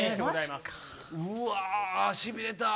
うわー、しびれた。